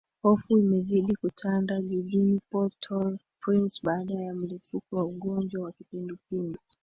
hofu imezidi kutanda jijini portal prince baada ya mlipuko wa ugonjwa wa kipindupindu